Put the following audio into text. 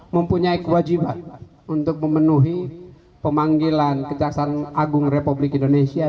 mempunyai kewajiban untuk memenuhi pemanggilan kejaksaan agung republik indonesia